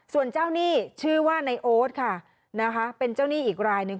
ส่วนนี่ชื่อว่าในโอ๊ธค่ะเป็นเจ้านี่อีกรายหนึ่ง